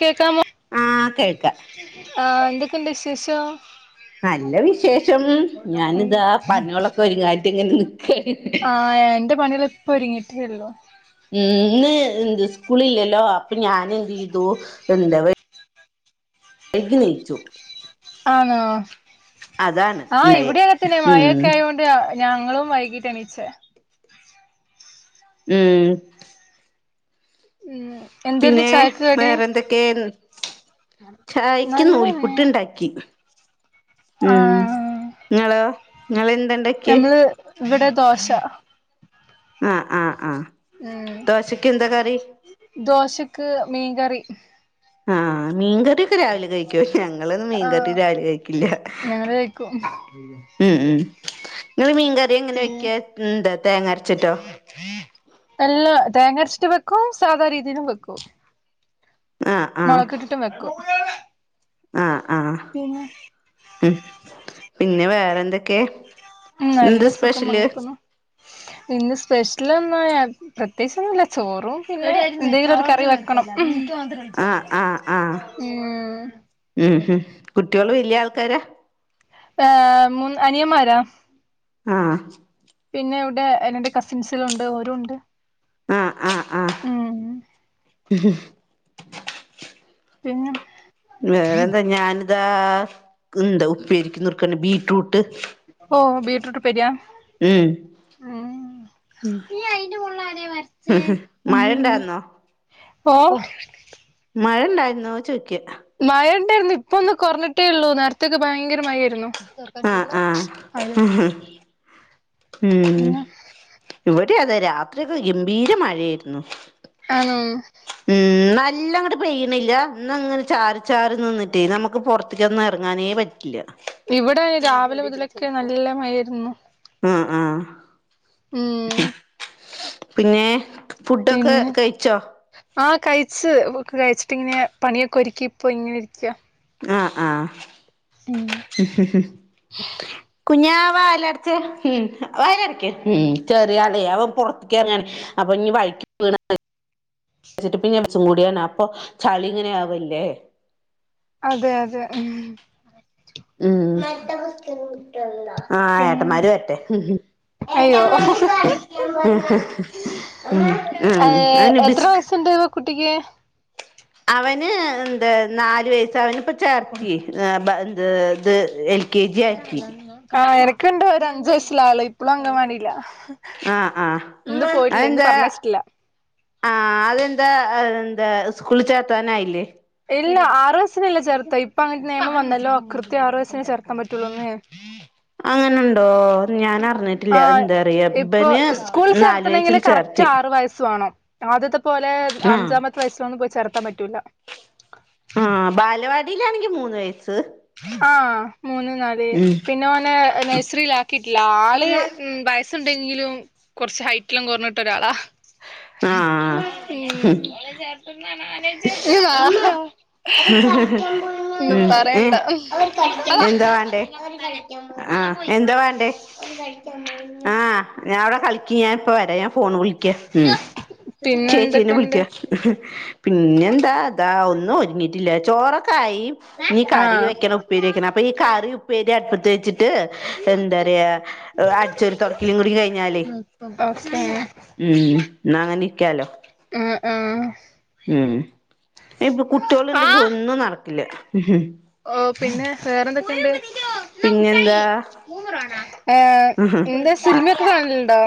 കേക്കാമോ? ആഹ് കേൾക്ക ആഹ്, എന്തൊക്കെണ്ട് വിശേഷം. നല്ല വിശേഷം. ഞാനിതാ പണുകളൊക്കെ ഒരുങ്ങാട്ട് ങ്ങനെ നിക്കണ്. ഏഹ് എന്റെ പണികള് ഇപ്പ ഒര്ങ്ങീട്ടേ ഇള്ളു. ഇന്ന് എന്ത് സ്കൂളില്ലല്ലോ? അപ്പൊ ഞാനന്തെയ്തു എന്ത വെയ് എഗ്ഗ് കയിച്ചു. ആണോ? അതാണ് ആഹ് ഇണ്ടായെ ഇവിടെയും അങ്ങനെത്തന്നെയാ ഉം മഴയൊക്കെ ആയോണ്ട് യാ ഞങ്ങളും വൈകീട്ടാ എണിച്ചേ. ഉം ഉം എന്തായിരുന്നു പിന്നേ ചായക്ക് കടി വേറെന്തൊക്കെയേ? ചായക്ക് നല്ലതന്നെ നൂൽപ്പുട്ട് ഇണ്ടാക് ക്കി. മ്മ്. ആഹ് ഇങ്ങളോ? ഇങ്ങളെന്ത്ണ്ടാ ക്കി? നമ്മള് ഇവിടെ ദോശ ആഹ് ആഹ് ആഹ് ഈഹ്. ദോശക്ക് എന്താ കറി ദോശക്ക് മീൻകറി. ആഹ് മീൻകറിയൊക്കെ രാവിലെ കഴിക്കുവോ? ഞങ്ങളൊന്നും മീൻകറി ആഹ് രാവിലെ കഴിക്കില്ല. ഞങ്ങള് കഴിക്കും ഉം ഉം. നിങ്ങൾ മീൻകറി എങ്ങനെയാ പിന്നെ വെയ്ക്കാ? എന്ത തേങ്ങ അരച്ചിട്ടോ? എല്ലാ. തേങ്ങ അരച്ചിട്ടും വെക്കും സാധാ രീതിലും വെക്കും. ആഹ് ആഹ് മൊളകിട്ടിട്ടും വെക്കും. ആഹ് ആഹ്. പിന്നെ? ഉം പിന്നെ വേറെന്തൊക്കെയാ? ഉം നല്ല സുഖം, അങ്ങിനെ പോന്നു. ഇന്ന് സ്പെഷ്യലൊന്നു പ്രത്യേകിച്ചൊന്നുല്ല. ചോറും പിന്നെ എന്തെങ്കിലും ഒരു കറി വെക്കണം. ആഹ് ആഹ് ആഹ്. ഉം ഊഹും. കുട്ട്യോള് വല്യ ആൾക്കാരാ? ഏഹ് മൂന്ന് അനിയന്മാരാ. ആഹ് പിന്നെ ഇവിടെ എന്റെ കസിൻസിലുണ്ട് ഓരു ഇണ്ട്. ആഹ് ആഹ് ആഹ്. പിന്നെ? വേറെന്താ. ഞാനിതാ എന്താ ഉപ്പേരിക്കുന്നർക്ക ബീ റ്റ്രൂട്ട് ബീറ്റ്രൂട്ട് ഉപ്പേരിയാ? ഉഹും. മഴണ്ടായിരുന്നോ? ഓഹ്? മഴ ഇണ്ടായിരുന്നോ ചോയിക്ക. മഴ ഇണ്ടായിരുന്നു. ഇപ്പ ഒന്ന് കൊറഞ്ഞിട്ടേ ഇള്ളൂ. നേരത്തേക്കെ ഭയങ്കര മഴയേര്ന്നു. ആഹ് ആഹ് [inaudible] അയിലിട്ട്. ഉം. ഇവിടെയു അതെ രാത്രി ഒക്കെ ഗംഭീര മഴയേര്ന്നു. ആണോ? ഉം നല്ലങ്ങട്ട് പെയ്യണില്ല. എന്നാ അങ്ങനെ ചാറി ചാറി നിന്നിട്ടേ നമ്മക്ക് പൊറത് ത്ക്കൊന്നും എറങ്ങാനേ പറ്റില്ല. ഇവിടെ രാവിലെ മുതലൊക്കെ നല്ല മഴയേരുന്നു. ആഹ് ആഹ്. പിന്നെ? ഫുഡ്ഡൊക്കെ പിന്നെ കഴിച്ചോ? ആഹ് കയിച്ച്. കയിച്ചിട്ടിങ്ങനെ പണിയൊക്കെ ഒരുക്കി ഇപ്പോ ഇങ്ങനെ ഇരിയ്ക്കാ. ആഹ് ആഹ്. ഉം. ഉ ഉ ഉ കുഞ്ഞാ വാതിലടച്ചേ. ഉം. വായലടക്ക് ഉം. ചെറിയാളെ, അവൻ പൊറത്ത്ക്ക് എറങ്ങാണ്. അപ്പൊ ഇനി വഴ്ക്കി വീണ വച്ചിട്ട്പ്പ ഇനിയവിടെ ചൂടിയാണ്. അപ്പൊ ചളി ഇങ്ങനെ ആവല്ലേ? അതെ അതെ. ഉം. ഉം ആഹ് പിന്നെ ഏട്ടമാരുവരട്ടെ അയ്യോ ഉം അന ഏഹ് എത്ര ബസ് [unintelligible] വയസ്സുണ്ട് കുട്ടിക്ക് അവന് എന്താ നാലു വയസ്സ അവനിപ്പ ചേർത്തി എ ഇത് എൽ കെ ജി ആക്കി എനക്ക്ണ്ട് ഒര് അഞ്ച വയസില ആള് ഇപ്പളും അങ്ങൻവാടില ആഹ് ആഹ് അതെന്താ പറഞ്ഞയച്ചിട്ടില്ല ആഹ് അതെന്താ എന്താ സ്കൂൾ ചേർത്താനയില്ലേ ഇല്ല ആറ് വയസിലല്ലെ ചേർത്ത ഇപ്പൊ അങ്ങന നിയമം വന്നല്ലോ കൃത്യം ആറ് വയസന് ചേർത്ത അങ്ങനുണ്ടോ ഞാൻ അറിഞ്ഞിട്ടില്ല ആഹ് എന്താ അറിയാ ഇപ്പൊ ഇബന് സ്കൂൾ നാല് വയസ്സിൽ ചേർത്തണെങ്കില് കറക്റ്റ് ചേർത്തി ആറു വയസ്സു വേണം ആദ്യത്തെ പോലെ ആഹ് അഞ്ചാമത്തെ വയസ്സിലൊന്നും പോയി ചേർത്താൻ പറ്റൂല ആഹ് ബാലവാടിയിലാണെങ്കിൽ മൂന്ന് വയസ്സ് ആഹ് മൂന്ന നാല് പിന്നെ ഓനെ നഴ്സറിൽാക്കിട്ടില്ല ആള് ഉം ണ്ടെങ്കിലും കുറച്ച് ഹൈറ്റെല്ലാം കുറഞ്ഞിട്ട ഒരാളാ ആഹ് [unintelligible] ഒന്നും ഉം ഏ പറയണ്ട എന്താ വേണ്ടേ ആഹ് എന്താ വേണ്ടേ ആഹ് ഞാൻവിടെ കളിക്ക ഞാനിപ്പ വരം ഫോണ് വിളിക്ക ഉം പിന്നെ ചേച്ചീനെ എന്തൊക്കെണ്ട് വിളിക്ക പിന്നെന്താ അതാ ഒന്നും ഒരുങ്ങിട്ടില്ല ചോറൊക്കെ ആയി ഇനീ കറി ആഹ് വെക്കണം ഉപ്പേരി വെക്കണം അപ്പൊ ഈ കറി ഉപ്പേരി അടുപ്പത്ത് വെച്ചിട്ട് എന്താ പറയാ അടിച്ചൊരു തുടക്കലും കൂടി കഴിഞ്ഞാലേ ഓക്കെ ഉം എന്ന അങ്ങനെ നിക്കാലോ ആഹ് ആഹ് ഉം ഇപ്പ കുട്ടികൾ ഉണ്ടെങ്കി ആഹ് ഒന്നും നടക്കില്ല ഓ പിന്നെ വേറെന്തൊക്കെയുണ്ട് പിന്നെന്താ മൂന്നര ആണ ഏ ഇ സിനിമയൊക്കെ കാണലണ്ടോ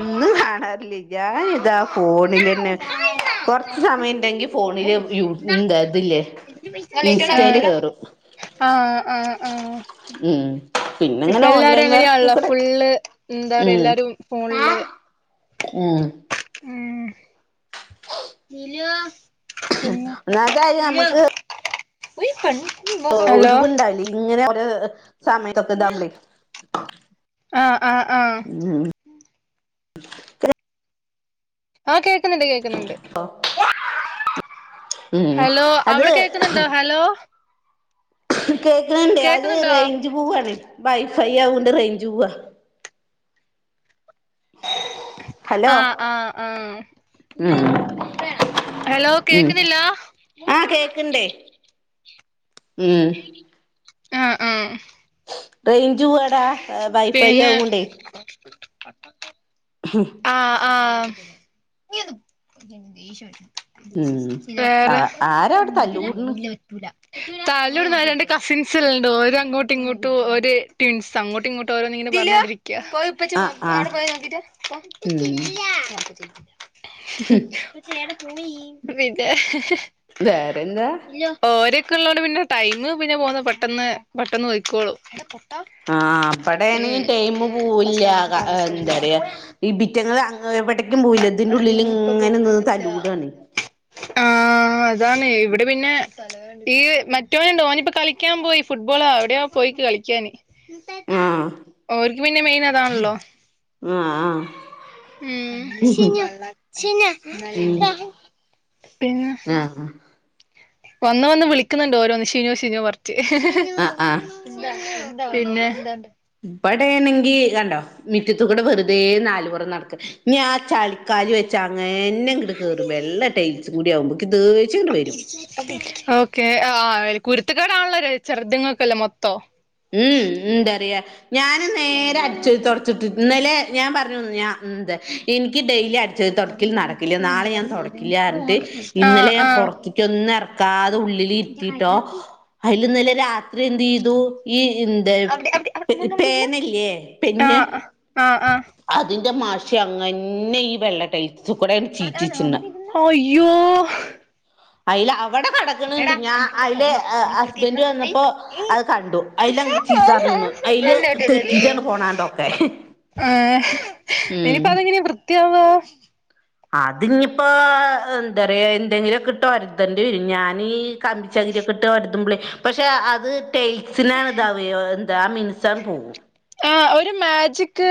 ഒന്നും കാണാറില്ല [unintelligible] ഫോണില്ന്നെ കൊറച്ച് സമയംണ്ടെങ്കി ഫോണില് യന്താ ഇതില്ലേ ഇൻസ്റ്റൽ കയറും ആഹ് ആഹ് ആഹ് ഉം ഇപ്പ പിന്നെങ്ങനെ എല്ലാരും ഓൺലൈൻ വർക്ക് എങ്ങനെയാണല്ല കൂടെ ഫുള്ള് എന്താ പറയ ഉം എല്ലാരും ഫോണില് ഉം ഉം പിന്നെ ഒന്നാമത്തെ കാര്യം നമുക്ക് ഹലോ ഒഴിവുണ്ടാവില്ല ഇങ്ങനെ ഒരു സമയത്തൊക്കെ ഇതാമ്പളെ ആഹ് ആഹ് ആഹ് ഉം ആഹ് കേൾക്കുന്നുണ്ട് കേൾക്കുന്നുണ്ട് ഉം ഹലോ അത് അവിടെ കേക്കുന്നുണ്ടോ ഹലോ കേൾക്കണണ്ടേ അത് കേക്കുന്നുണ്ടോ റേഞ്ച് പോവാണ് വൈഫൈ ആവുക കൊണ്ട് റേഞ്ച് പോവാ ഹലോ ആഹ് ആഹ് ആഹ് ഉം ഹലോ കേക്കുന്നില്ല കേക്കിണ്ടേ ഉം ആഹ് ആഹ് റേഞ്ച് പോവാടാ വൈഫൈ പിന്നെ ആവോണ്ടേ ആഹ് ആഹ് ഉം ആ വേറെ ആരാ അവിടെ തല്ലൂട്ണ് തല്ലൂട്ന്നരണ്ട് കസിൻസ്ല്ലണ്ടോ ഓര് അങ്ങോട്ടും ഇങ്ങോട്ടും ഒര് ട്വിൻസ് അങ്ങോട്ടും ഇങ്ങോട്ടും ഓരോന്ന് ഇങ്ങനെ പറഞ്ഞിരിക്കാ [unintelligible] ആ ആ അവടെപ്പോയി നോക്കീട്ട് ഉം വാ പിന്നെ വേറെന്താ ഓരൊക്കെ ഇള്ളോട്പിന്നെ ടൈം പിന്നെ പോന്ന് പെട്ടന്ന് പെട്ടന്ന് പൊയ്ക്കോളും ആഹ് ഇബടെണെങ്ങി ടൈം പൂവില്ല ക എന്താറിയാ ഇബിറ്റങ്ങള് എവിടെക്കും പൂവില്ല ഇതിന്റെഉള്ളിൽ ഇങ്ങനെ നിന്ന് തല്ലൂടാണയ് ആഹ് അതാണയ് ഇവിടെ പിന്നെ ഈ മറ്റോനുണ്ട് ഓനിപ്പോ കളിക്കാ പോയി ഫുട്ബോളാ എവിടെയോ പോയി കളിക്കാന് ആഹ് ഓര്ക്ക് പിന്നെ മെയിനതാണല്ലോ അഹ് അഹ് പിന്നെ ആഹ് വന്ന് വന്ന് വിളിക്ക്ന്ന്ണ്ട് ഓരോന്ന് ഷിനോ ഷിനോ പറച്ച് ആഹ് ആഹ് പിന്നെ ഇപടെണെങ്കി കണ്ടോ മിറ്റത്തുകൂടെ വെറുതെ നാൽപൊറം നടക്കാ ഇഞ് ആ ചളി കാല് വെച്ച് അങ്ങനേന്ന ഇങ്ങട്ട് കേറും വെള്ള ടൈൽസും കൂടി ആവുമ്പോ ഇക്ക് ദേഷ്യട് വരും ഓക്കെ ആഹ് കുരുത്തക്കേടാല്ലൊ ചെറുത്ങ്ങക്കല്ല മൊത്തൊം ഉം ഉം എന്താറിയ ഞാന് നേരെ അടിച്ച് ഓരി തൊടച്ച്ട്ട് ന്നലെ ഞാ പറഞ്ഞു ഞാ ന്തേ ഇന്ക്ക് ഡെയ്ലി അടിച്ചോരി തൊടക്കൽ നടക്കില്ല നാളെ ഞാൻ തൊടക്കില്ലാ ർഞ്ഞിട്ട് ആഹ് ഇന്നലെ ഞാൻ ആഹ് പെറത്ത് ഒന്നും എറക്കാത ഉള്ളിൽ ഇരുത്തീട്ടോ അയ്ൽ ഇന്നലെ രാത്രി എന്തീ ന്തു ഈ അവിടെ അവിടെ മോൻ അവിടെ ഇരുന്നോ പേനല്ലേ പെന്ന് ആഹ് ആഹ് ആഹ് അതിന്റെ മഷി അങ്ങന്നെ ഈ വെള്ള ടൈൽസ് കൂടെ ചീറ്റിച്ചിണ് അയ്യോ അയ്ല് അവടെ കടക്ക്ണ്‌ട് എടാ എനിക്കിവിടെ ഞാഅയ്ല് ഫോൺ വെക്കണം നീ ഇപ്പറത്ത് ഹസ്ബന്റ് ഇരുന്നോ ഏയ് വന്നപ്പോ ഏയ് അത് കണ്ടു അയ് ലങ്ങട്ട് ചീത്തർണു അയ്ല് തെറ്റീടണ്ട് പോണാണ്ടൊക്കെ ആഹ് ഉം ഇനിപ്പോ അതെങ്ങനെ വൃത്തിയാവാ അത് ഇഞ്പ്പോ ന്താറിയാ എന്തെങ്കിലൊക്കട്ട് ഒരതണ്ടി വരും ഞാനി കമ്പിച്ചങ്കിരി ഒക്കെ ഇട്ട് ഒരന്തു പ്ലയ്പക്ഷെ അത് ടൈൽ സിനാണ് ഇതാവേ എന്താ ആ മിനുസം പോവും ആഹ് ഒരു മാജിക്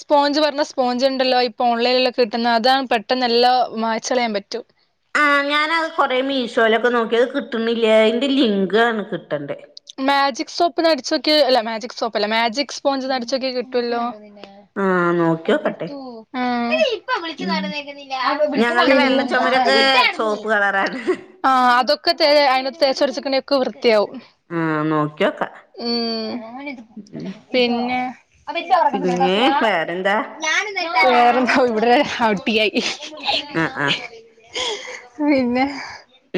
സ്പോഞ്ച് പറഞ്ഞ സ്പോഞ്ച് ഇണ്ടല്ലോ ഇപ്പോ ഓൺലൈനിലൊക്കെ കിട്ട്ന്ന അതാണ് പെ ട്ടന്ന് എല്ലോമായ്ച്ചളയാ പറ്റും ആഹ് ഞാനത് കൊറേ മീശോലൊക്കെ നോക്കി അത് കിട്ട്ണില്ല അയ്ന്റെ ലിങ്കാണ് കിട്ടണ്ട് മാജിക് സോപ്പ്ന്നടിച്ചോക്കെ അല്ല മാജിക് സോപ്പ് അല്ല മാജിക് സ്പോഞ്ചന്ന് അടിച്ചോക്കേ കിട്ടൊല്ലോ ആഹ് ആ നോക്കിയോക്കട്ടെ ഉം പിന്നേ സോപ്പ് കളറാണ് ആഹ് അതൊക്കെ തേ [unintelligible] തേച്ചൊരച്ച്ക്ണേ ഒക്കെ വൃത്തിയാവും ആഹ് നോക്കിയൊക്ക ഉം പിന്നെ പിന്നെ വേറെന്താ വേറെന്താ ഇവിടെ അടിയായി ആഹ് ആഹ് പിന്നെ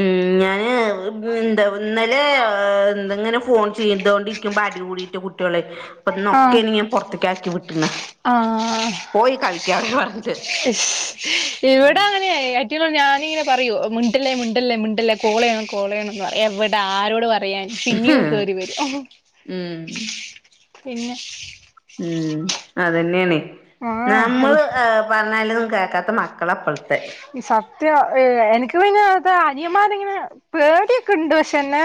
ഉം ഞാന് [unintelligible] എന്താ ഇന്നലെ [unintelligible] ഫോൺ ചെയ്തോണ്ടിക്കുമ്പ അടികൂടിയിട്ട് കുട്ടികളെ അപ്പൊ ഇന്നൊക്കെ പുറത്തേക്ക് ആക്കി വിട്ടുണ ആഹ് ആഹ് പോയി കളിക്കാ അവിടെ പറഞ്ഞിട്ട് ഇവിടെ അഹ് ഞാനിങ്ങനെ പറയോ മുണ്ടല്ലേ മുണ്ടല്ലേ മുണ്ടല്ലേ കോള് ചെയണം കോള് ചെയ്യണന്ന് പറ എവിടെ ആരോട് പറയാൻ പിന്നെയ കേറി വരും ഉം പിന്നെ ഉം അതന്നെയാണ് ആ നമ്മള് പറഞ്ഞാലും ഒന്നും കേൾക്കാത്ത മക്കള അപ്പഴത്തെ ഈ സത്യം ഏഹ് എനിക്ക് പിന്നെ അത് അനിയന്മാരെങ്ങനെ പേടിയൊക്കെ ഉണ്ട് പക്ഷെ എന്നെ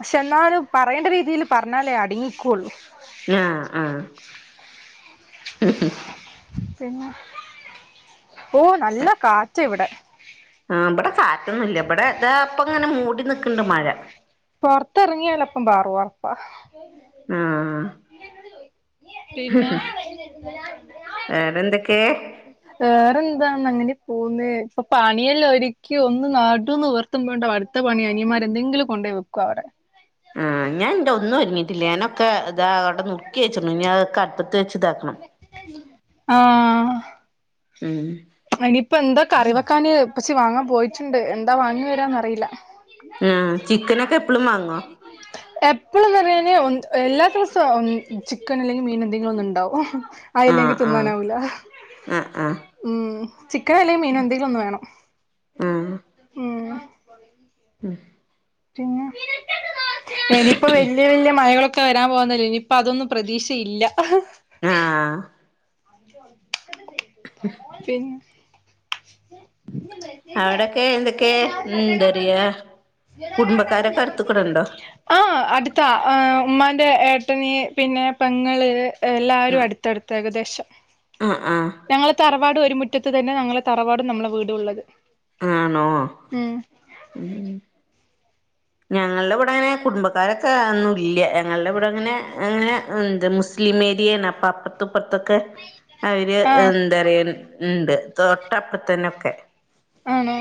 പക്ഷെ എന്നാലും പറയേണ്ട രീതിൽ പറഞ്ഞാലേ അടങ്ങിക്കുള്ളു [unintelligible] ആഹ് പിന്നെ ഓ നല്ല കാറ്റ് ഇവിടെ ആഹ് ഇവിടെ കാറ്റൊന്നും ഇല്ല ഇവിടെ ഇതാ അപ്പം ഇങ്ങനെ മൂടി നിക്കണ്ട് മഴ പൊറത്ത്റങ്ങിയാലപ്പം പാറു ഒറപ്പാ ആഹ് പിന്നെ വേറെന്തൊക്കെ വേറെന്താന്ന അങ്ങനെ പോകുന്നു ഇപ്പൊ പണിയല്ല ഒരിക്കി ഒന്ന് നടു നിവർത്തി എത്ത്പണ്ടോ അടുത്ത പണി അനിയമാരെന്തെിലും കൊണ്ടോ വക്കോ അവരെ ആഹ് ഞാൻന്റെ ഒന്നും ഒരുങ്ങിട്ടില്ല ഞാനൊക്കെ ഇതാ അവിടെ നുക്കി വെച്ചി ഇനി അതൊക്കെ അടുത്തത്ത് വച്ചതാക്ക ആഹ് ഉം അനിയിപ്പ എന്താ കറിവെക്കാാന് പച്ചി വാങ്ങാൻ പോയിട്ടുണ്ട് എന്താ വാങ്ങി വരാന്ന്റിയില്ല ആഹ് ചിക്കനൊക്കെ എപ്പഴും വാങ്ങോ എപ്പോഴന്ന് പറഞ്ഞ എല്ലാ ദിവസവും ചിക്കൻ അല്ലെങ്കിൽ മീൻ എന്തെങ്കിലും ഒന്നും ഉണ്ടാവും ഓഹ് ആ ആയില്ലെങ്കി ആ തിന്നാനാവൂല ആ ആ ഉം ചിക്കൻ അല്ലേ മീനോ എന്തെങ്കിലും ഒന്നന്ന് വേണം ആഹ് ഉം ഉം പിന്നെ ഇനിയിപ്പോ വലിയ വലിയ മഴകളൊ ക്കെ വരാൻ പോകുന്നല്ലേ ഇനിയിപ്പ അതൊന്നും പ്രതീക്ഷയില്ല ആഹ് [unintelligible] പിന്നെ [inaudible] അവിടൊക്കെ എന്തൊക്കെയ ഉം എന്തറിയാ കുടുംബക്കാരൊക്കെ അടുത്തക്കൂടണ്ടോ ആഹ് അടുത്താ ഉമ്മാന്റെ ഏട്ടനി പിന്നെ പെങ്ങള് എല്ലാവരും അടുത്തടുത്ത ഏകദേശം ഉം ഉം ഞങ്ങളെ തറവാട് ഒരു മുറ്റത്ത് തന്നെ ഞങ്ങളെ തറവാടും നമ്മളെ വീടുള്ളത് ആണോ ഉം ഞങ്ങളുടെ ഇവിടെങ്ങനെ കുടുംബക്കാരൊക്കെ ഒന്നും ഇല്ല ഞങ്ങളുടെ ഇവിടെ ഇങ്ങനെ അങ്ങനെ എ മുസ്ലിം ഏരിയാണ് അപ്പൊ അപ്പുറത്തപ്പുറത്തൊക്കെ അവര് ആ എന്താ പറയാ ഉണ്ട് തൊട്ടപ്പറത്തന്നൊക്കെ ആണോ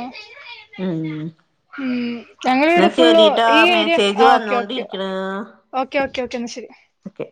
ഉം ഞങ്ങളെ എന്നാ ഇവിടെ ഫുള് ശരിട്ടോ ഈ ഏരിയ മെസ്സേജ് ആഹ് ഓക്കെ ഓക്കെ വന്നോണ്ടിരിക്കണ് ഓക്കേ ഓക്കേ ഓക്കേ എന്നാ ശരി ഓക്കെ